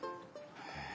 へえ。